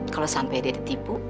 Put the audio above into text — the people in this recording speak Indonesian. kalau sampai dia ditipu